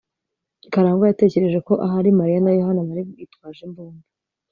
karangwa yatekereje ko ahari mariya na yohana bari bitwaje imbunda